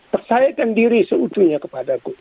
persahakan diri seutuhnya kepada ku